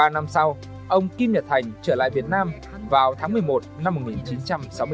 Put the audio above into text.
ba năm sau ông kim nhật thành trở lại việt nam vào tháng một mươi một năm một nghìn chín trăm sáu mươi bốn